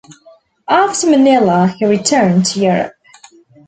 After Manila he returned to Europe.